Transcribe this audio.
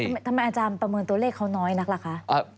อาจารย์ประเมินตัวเลขเขาน้อยนักล่ะคะ